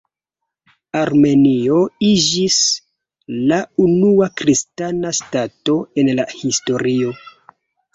Armenio iĝis la unua kristana ŝtato en la historio.